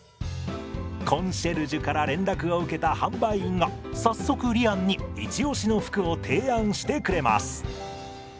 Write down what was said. コンシェルジュから連絡を受けた販売員が早速りあんにイチ押しの服を提案してくれます。